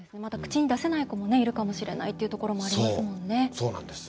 口に出せない子もいるかもしれないっていうところもありますもんね。